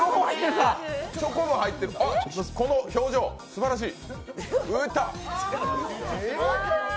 あ、この表情、すばらしい！